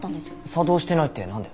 作動してないってなんで？